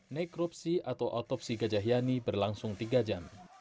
nekrupsi atau otopsi gajah yani berlangsung tiga jam